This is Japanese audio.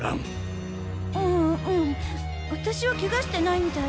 私はケガしてないみたい。